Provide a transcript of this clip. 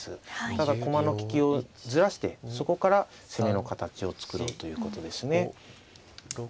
ただ駒の利きをずらしてそこから攻めの形を作ろうということですね。